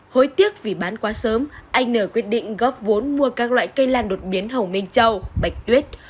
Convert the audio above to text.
hối tiếc vì bán quá sớm anh n quyết định góp vốn mua các loại cây lan đột biến hồng mênh trâu bạch tuyết